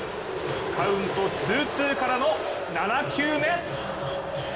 カウント、ツーツーからの７球目。